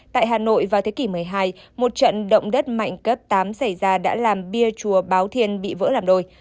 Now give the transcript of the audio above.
tại hà nội vào thế kỷ một mươi hai một trận động đất mạnh cấp tám xảy ra đã làm bia chùa báo thiên bị vỡ làm đồi